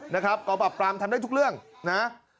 นะครับกองปรับปรามทำได้ทุกเรื่องนะ